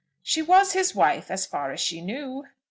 "She was his wife, as far as she knew."